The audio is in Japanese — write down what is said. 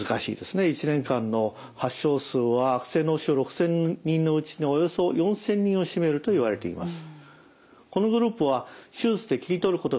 １年間の発症数は悪性脳腫瘍６，０００人のうちのおよそ４，０００人を占めるといわれています。